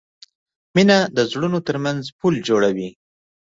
مینه د زړونو ترمنځ پُل جوړوي.